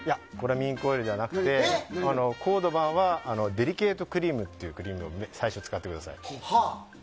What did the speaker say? ミンクオイルじゃなくてコードバンはデリケートクリームっていうクリームを最初は使ってください。